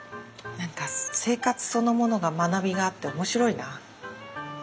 何か生活そのものが学びがあって面白いな。